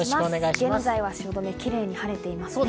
現在は汐留、キレイに晴れていますね。